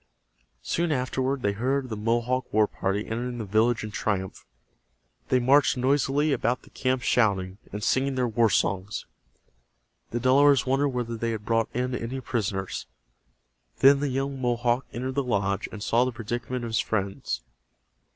Soon afterward they heard the Mohawk war party entering the village in triumph. They marched noisily about the camp shouting, and singing their war songs. The Delawares wondered whether they had brought in any prisoners. Then the young Mohawk entered the lodge, and saw the predicament of his friends.